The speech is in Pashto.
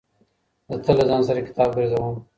زه تل له ځان سره کتاب ګرځوم.